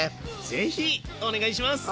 是非お願いします！